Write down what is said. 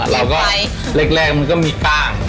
แรกแรกมันก็มีกล้าง